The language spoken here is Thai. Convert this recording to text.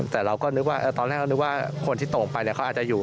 แต่เราก็นึกว่าตอนแรกเขานึกว่าคนที่ตกลงไปเขาอาจจะอยู่